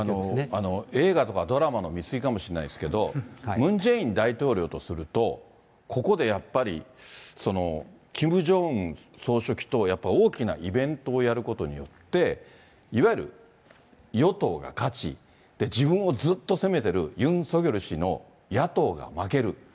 映画とかドラマの見過ぎかもしれないですけど、ムン・ジェイン大統領とすると、ここでやっぱり、キム・ジョンウン総書記とやっぱり、大きなイベントをやることによって、いわゆる与党が勝ち、自分をずっと責めてるユン・ソギョル氏の野党が負ける。